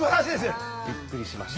びっくりしました。